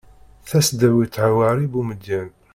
tasdawit hwari bumedyen